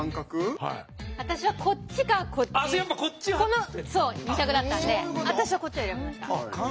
この２択だったんで私はこっちを選びました。